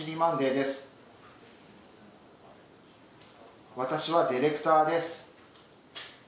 です私はディレクターです